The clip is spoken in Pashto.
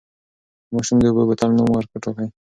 د ماشوم د اوبو بوتل نوم وټاکئ.